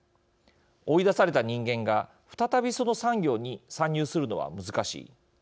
追い出された人間が再びその産業に参入するのは難しい。